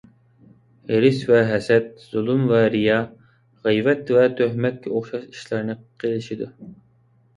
ھېرىس ۋە ھەسەت، زۇلۇم ۋە رىيا، غەيۋەت ۋە تۆھمەتكە ئوخشاش ئىشلارنى قىلىشىدۇ.